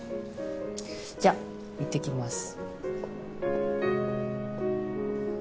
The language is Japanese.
じゃ行ってきます。